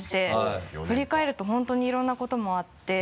振り返ると本当にいろんなこともあって。